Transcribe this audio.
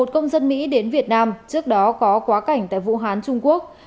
một công dân mỹ đến việt nam trước đó có quá cảnh tại vũ hán trung quốc